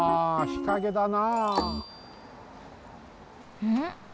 日陰だなあ。